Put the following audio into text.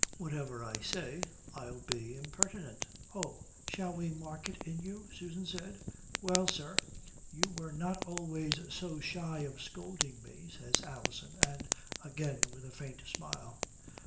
Whatever I say, I'll be impertinent." "Oh. Shall we mark it in you?" Susan said. "Well, sir, you were not always so shy of scolding me," says Alison, and again with a faint smile.